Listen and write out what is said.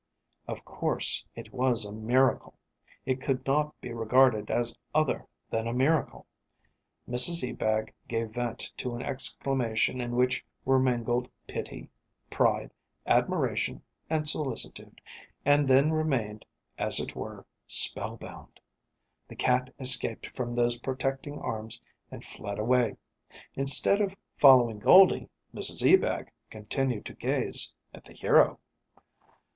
Of course, it was a miracle. It could not be regarded as other than a miracle. Mrs Ebag gave vent to an exclamation in which were mingled pity, pride, admiration and solicitude, and then remained, as it were, spellbound. The cat escaped from those protecting arms and fled away. Instead of following Goldie, Mrs Ebag continued to gaze at the hero.